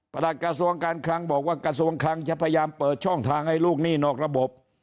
หลักกระทรวงการคลังบอกว่ากระทรวงคลังจะพยายามเปิดช่องทางให้ลูกหนี้นอกระบบ